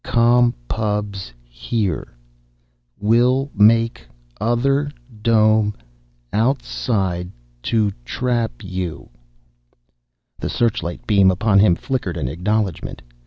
C o m P u b s h e r e. W i l l m a k e o t h e r d o m e o u t s i d e t o t r a p y o u." The searchlight beam upon him flickered an acknowledgment.